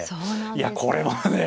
いやこれはね